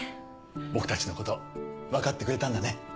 僕たちの事わかってくれたんだね。